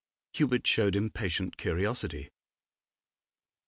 Hubert showed impatient curiosity.